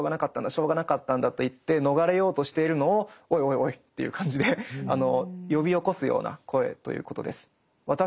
しょうがなかったんだ」と言って逃れようとしているのを「おいおいおい」という感じで呼び起こすような声ということです。